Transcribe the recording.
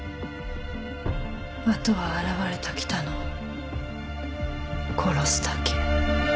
あとは現れた喜多野を殺すだけ。